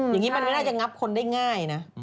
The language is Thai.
อย่างนี้มันไม่น่าจะงับคนได้ง่ายนะ